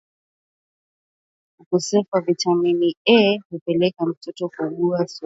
ukosefu wa vitamini A hupelekea mtoto kuugua surua